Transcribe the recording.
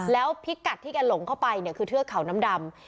แล้วพิกัดที่แกหลงเข้าไปเนี่ยคือเทือกเขาน้ำดำ